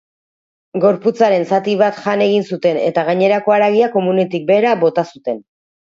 Gorpuaren zati bat jan egin zuten eta gainerako haragia komunetik behera bota zuten.